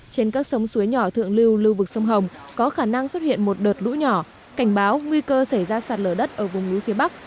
trên các sông suối nhỏ thượng lưu lưu vực sông hồng có khả năng xuất hiện một đợt lũ nhỏ cảnh báo nguy cơ xảy ra sạt lở đất ở vùng núi phía bắc